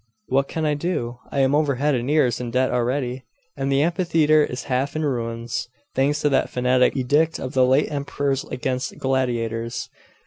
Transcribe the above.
'What can I do? I am over head and ears in debt already; and the Amphitheatre is half in ruins, thanks to that fanatic edict of the late emperor's against gladiators.